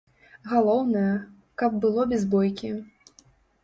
Галоўнае, каб было без бойкі.